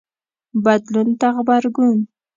بدلون ته غبرګون